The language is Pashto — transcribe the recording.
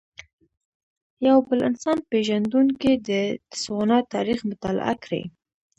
یو بل انسان پېژندونکی د تسوانا تاریخ مطالعه کړی.